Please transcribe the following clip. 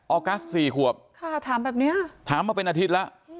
ออกัส๔ขวบถามมาเป็นอาทิตย์แล้ว